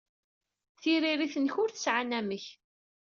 Tiririt-nnek ur tesɛi anamek.